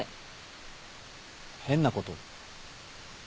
変なこと？